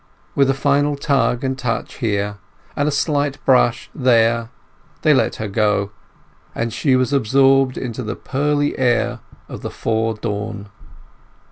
With a final tug and touch here, and a slight brush there, they let her go; and she was absorbed into the pearly air of the fore dawn.